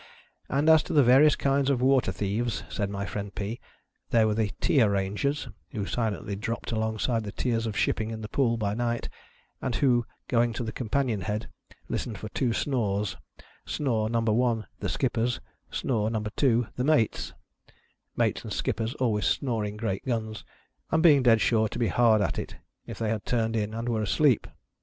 And as to the various kinds of water thieves, said my friend Pea, there were the Tier rangers, who silently dropped alongside the tiers of shipping in the Pool, by night, and who, going to the companion head, listened for two snores — snore number one, the skipper's ; snore num ber two, the mate's — mates audskippers always snoring great guns, and being dead sure to be hard at it if they had turned in and were asleep.